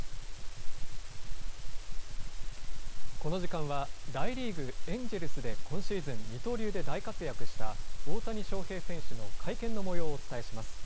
この時間は大リーグ・エンジェルスで今シーズン二刀流で大活躍した大谷翔平選手の会見の模様をお伝えします。